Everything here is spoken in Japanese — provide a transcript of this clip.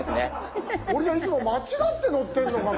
俺じゃあいつも間違って乗ってるのかな？